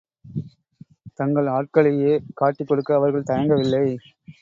தங்கள் ஆட்களையே காட்டிக் கொடுக்க அவர்கள் தயங்கவில்லை.